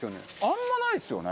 あんまないですよね。